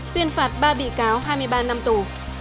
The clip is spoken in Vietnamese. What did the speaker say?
tuyên phạt ba bị cáo hai mươi ba năm tù